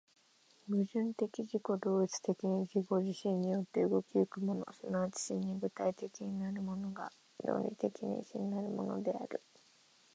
矛盾的自己同一的に自己自身によって動き行くもの、即ち真に具体的なるものが、論理的に真なるものである。